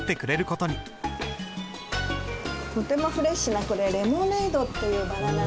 とてもフレッシュなこれレモネードっていうバラなんですよ。